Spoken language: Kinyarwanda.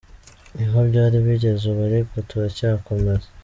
Niho byari bigeze ubu ariko turacyakomeza.